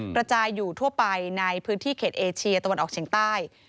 กระจายอยู่ทั่วไปในพื้นที่เขตเอเชียตะวันออกเฉียงใต้